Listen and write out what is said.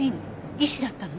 医師だったの？